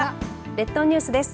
列島ニュースです。